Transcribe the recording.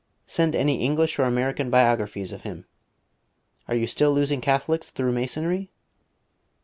Send any English or American biographies of him. Are you still losing Catholics through Masonry?"